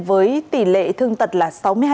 với tỷ lệ thương tật là sáu mươi hai